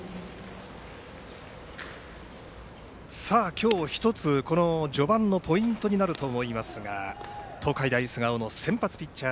今日１つ、この序盤のポイントになると思いますが東海大菅生の先発ピッチャー